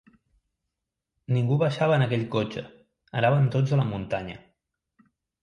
Ningú baixava en aquell cotxe, anaven tots a la muntanya